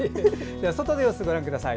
外の様子、ご覧ください。